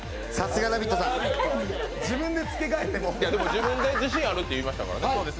自分で自信あるって言いましたからね。